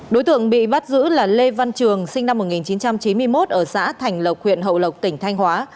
đối tượng bị bắt giữ là lê văn trường sinh năm một nghìn chín trăm chín mươi một ở xã thành lộc huyện hậu lộc tỉnh thanh hóa